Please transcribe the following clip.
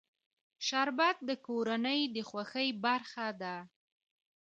شربت د کورنۍ د خوښۍ برخه ده